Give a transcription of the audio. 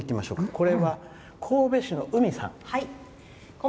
これは神戸市の、うみさん。